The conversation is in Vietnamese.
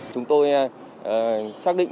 chúng tôi xác định